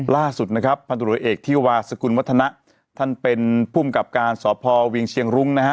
ล่าสุดนะครับพันธุรกิจเอกที่วาสกุลวัฒนะท่านเป็นภูมิกับการสพเวียงเชียงรุ้งนะฮะ